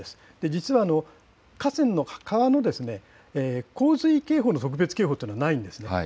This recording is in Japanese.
実は、河川の、川の洪水警報の特別警報というのはないんですね。